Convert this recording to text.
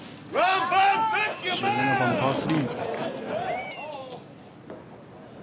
１７番、パー３。